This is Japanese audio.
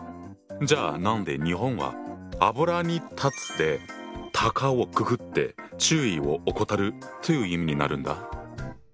じゃあ何で日本は油に断つで「たかをくくって注意を怠る」という意味になるんだ？